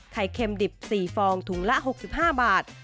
เค็มดิบ๔ฟองถุงละ๖๕บาท